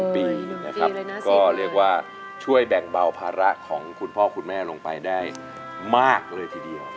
ปีหนึ่งนะครับก็เรียกว่าช่วยแบ่งเบาภาระของคุณพ่อคุณแม่ลงไปได้มากเลยทีเดียว